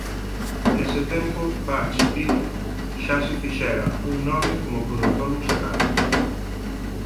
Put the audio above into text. Nese tempo Butch Vig xa se fixera un nome como produtor musical.